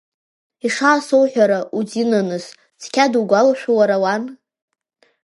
Ишаасоуҳәара удинаныс, цқьа дугәалашәо уара уан?